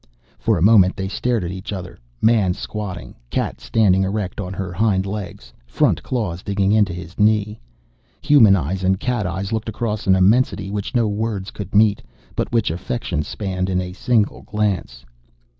For a moment, they stared at each other, man squatting, cat standing erect on her hind legs, front claws digging into his knee. Human eyes and cat eyes looked across an immensity which no words could meet, but which affection spanned in a single glance.